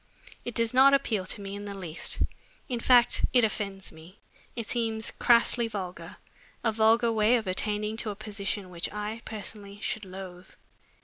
It does not appeal to me in the least in fact it offends me. It seems crassly vulgar, a vulgar way of attaining to a position which I, personally, should loathe."